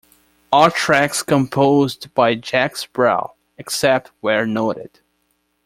All tracks composed by Jacques Brel, except where noted.